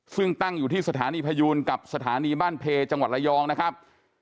ซึ่งตั้งอยู่ที่สถานีพยูนกับสถานีบ้านเพจังหวัดระยองนะครับ